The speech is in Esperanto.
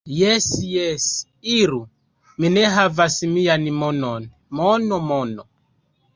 Jes, jes. Iru, mi ne havas vian monon. Mono, mono..